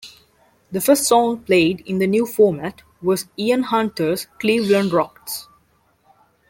The first song played in the new format was Ian Hunter's "Cleveland Rocks".